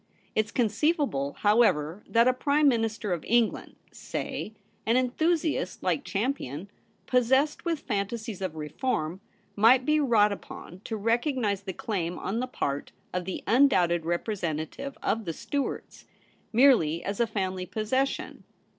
It's con ceivable, however, that a Prime Minister of England — say, an enthusiast like Champion, possessed with fantasies of reform — might be wrought upon to recognise the claim on the part of the undoubted representative of the Stuarts — merely as a family possession.